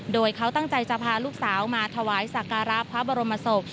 โดยเขาตั้งใจจะพาลูกสาวมาถวายสักการะพระบรมศพ